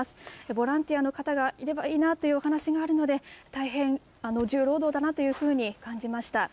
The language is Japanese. ボランティアの方がいればいいなというお話があるので、大変重労働だなというふうに感じました。